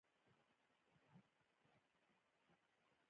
خوب د اروايي ثبات سبب کېږي